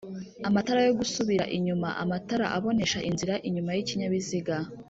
Amatara yo gusubira inyumaAmatara abonesha inzira inyuma y’ikinyabiziga